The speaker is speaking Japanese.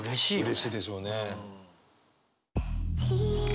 うれしいでしょうね。